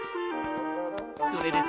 それでさ